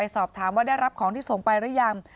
สอบถามว่าได้รับของที่ส่งไปหรือยัง